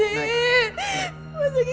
eh gak usah lah